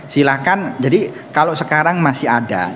silahkan jadi kalau sekarang masih ada